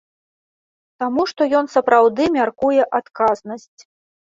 Таму што ён сапраўды мяркуе адказнасць.